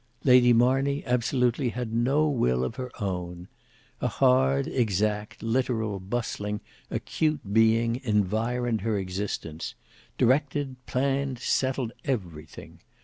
Lady Marney absolutely had no will of her own. A hard, exact, literal, bustling, acute being environed her existence; directed, planned, settled everything.